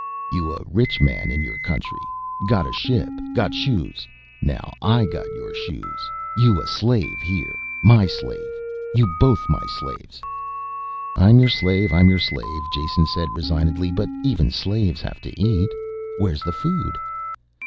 "You a rich man in your country, got a ship, got shoes. Now I got your shoes. You a slave here. My slave. You both my slaves." "I'm your slave, I'm your slave," Jason said resignedly. "But even slaves have to eat. Where's the food?"